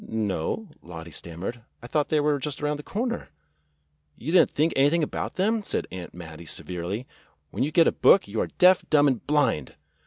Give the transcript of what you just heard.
"No," Lottie stammered. "I thought they were just around the corner." "You did n't think anything about them," said Aunt Mattie severely. "When you get a book you are deaf, dumb, and blind